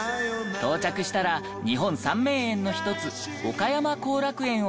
到着したら日本三名園の一つ岡山後楽園を訪れて。